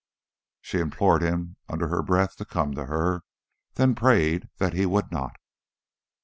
She implored him under her breath to come to her, then prayed that he would not....